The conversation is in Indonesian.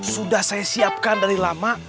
sudah saya siapkan dari lama